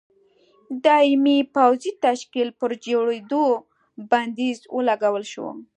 دایمي پوځي تشکیل پر جوړېدو بندیز ولګول شو.